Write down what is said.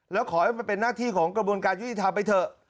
แล้วขอให้มันเป็นหน้าที่ของกระบวนการยุติธรรมไปเถอะ